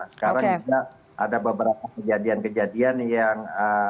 sekarang juga ada beberapa kejadian kejadian yang